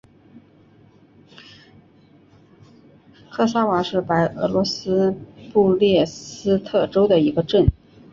科萨瓦是白俄罗斯布列斯特州的一个镇。